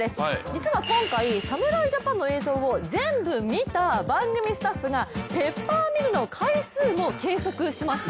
実は今回、侍ジャパンの映像をぜんぶ見た番組スタッフがペッパーミルの回数も計測しました。